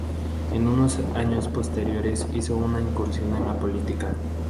En los años posteriores hizo una incursión en la política.